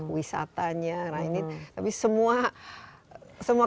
wisatanya lainnya tapi semua